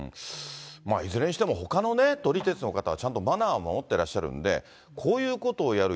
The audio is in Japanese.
いずれにしても、ほかの撮り鉄の方はちゃんとマナーを守ってらっしゃるんで、こういうことをやる